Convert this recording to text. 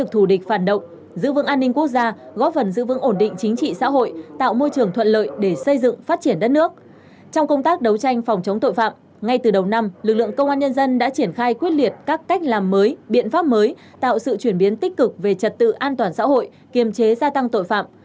trong công tác đấu tranh phòng chống tội phạm ngay từ đầu năm lực lượng công an nhân dân đã triển khai quyết liệt các cách làm mới biện pháp mới tạo sự chuyển biến tích cực về trật tự an toàn xã hội kiềm chế gia tăng tội phạm